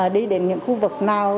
đi đến những khu vực nào